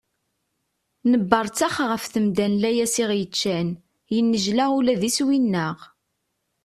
Nebberttex ɣer temda n layas i aɣ-yeččan, yennejla ula d iswi-nneɣ.